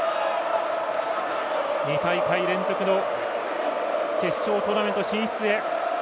２大会連続の決勝トーナメント進出へ。